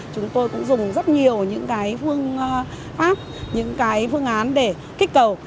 chúng tôi cũng dùng rất nhiều những cái phương pháp những cái phương án để kích cầu